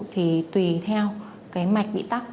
thì tùy theo cái mạch bị tắc